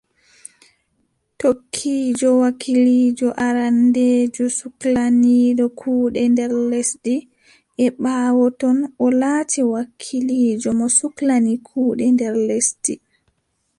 Tokkiijo wakiiliijo arandeejo suklaniiɗo kuuɗe nder lesdi, e ɓaawo ton, o laati wakiiliijo mo suklani kuuɗe nder lesdi .